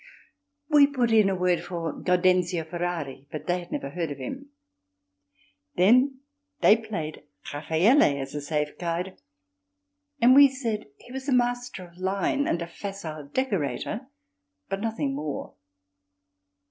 We put in a word for Gaudenzio Ferrari, but they had never heard of him. Then they played Raffaelle as a safe card and we said he was a master of line and a facile decorator, but nothing more.